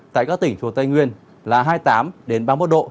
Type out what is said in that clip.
tại các tỉnh thuộc tây nguyên là hai mươi tám ba mươi một độ